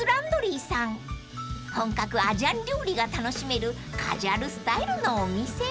［本格アジアン料理が楽しめるカジュアルスタイルのお店］